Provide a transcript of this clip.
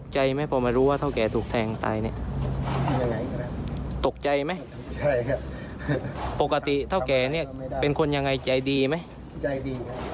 ใจดีไหมใจดีครับ